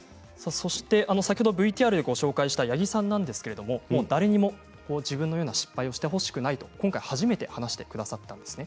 先ほどＶＴＲでご紹介した八木さんですがもう誰にも自分のような失敗をしてほしくないと今回、初めて話してくださったんですね。